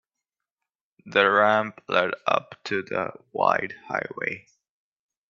The ramp led up to the wide highway.